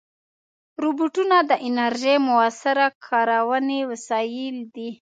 روبوټونه د انرژۍ مؤثره کارونې وسایل دي.